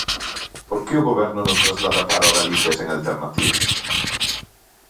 ¿Por que o Goberno nos traslada paro a Galicia sen alternativas?